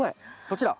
こちら。